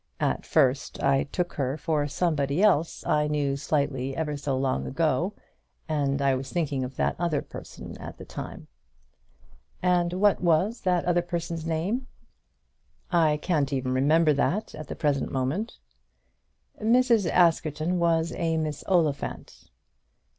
At first I took her for somebody else I knew slightly ever so long ago, and I was thinking of that other person at the time." "And what was the other person's name?" "I can't even remember that at the present moment." "Mrs. Askerton was a Miss Oliphant."